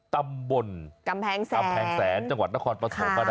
ตำบลกำแพงแสนจังหวัดนครปฐมมาได้ครับ